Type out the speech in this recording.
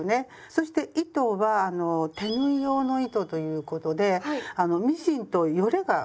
そして糸は手縫い用の糸ということであのミシンと撚れが逆なんです。